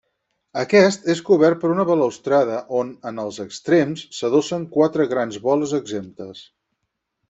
Aquest és cobert per una balustrada on en els extrems s'adossen quatre grans boles exemptes.